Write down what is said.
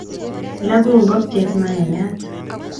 Lagu ngokchet mayayat